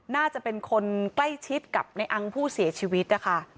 น่าจะเป็นคนใกล้ชิดกับในอังผู้เสียชีวิตนะคะ